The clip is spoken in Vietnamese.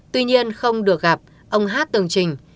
tuy nhiên không được gặp ông hát từng trình